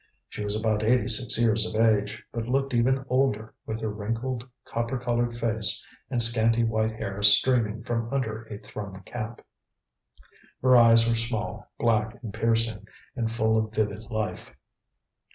She was about eighty six years of age, but looked even older with her wrinkled, copper coloured face and scanty white hair streaming from under a thrum cap. Her eyes were small, black and piercing, and full of vivid life.